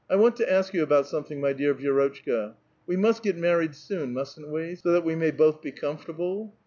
" 1 want to ask ycu about something, my dear Vi^'rot(^hka : we must get married soon, mustn't we? so that we may both be comfortable